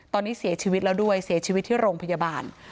ตอนนี้เสียชีวิตแล้วด้วยเสียชีวิตที่โรงพยาบาล